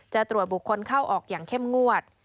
จะตรวจบุคคลเข้าออกอย่างเข้มงวด